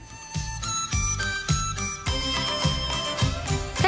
โชคดีครับ